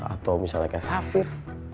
atau misalnya kayak safir